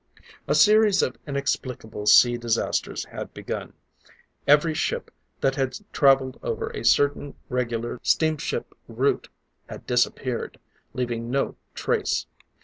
A series of inexplicable sea disasters had begun. Every ship that had traveled over a certain, regular steamship route, had disappeared, leaving no trace.